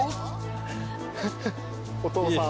お父さん。